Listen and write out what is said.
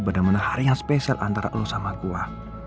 bener bener hari yang spesial antara lo sama gue